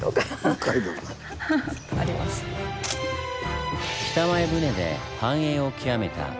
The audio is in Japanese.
北前船で繁栄を極めた港町酒田。